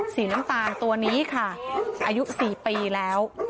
สีน้ำตาลตัวนี้ค่ะอายุ๔ปีแล้ว